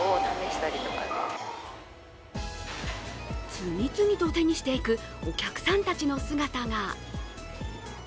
次々と手にしていくお客さんたちの姿が。